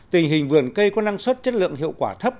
tình hình vườn cây có năng suất chất lượng hiệu quả thấp